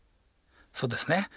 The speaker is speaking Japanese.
そうですね。